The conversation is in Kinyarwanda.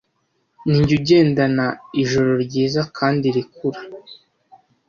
Ninjye ugendana ijoro ryiza kandi rikura,